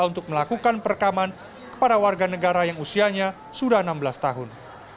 untuk melakukan perekaman kepada warga negara yang usianya sudah enam belas tahun